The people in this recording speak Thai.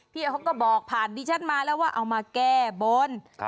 เขาก็บอกผ่านดิฉันมาแล้วว่าเอามาแก้บน